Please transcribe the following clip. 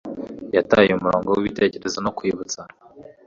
Yataye umurongo wibitekerezo no kwibutsa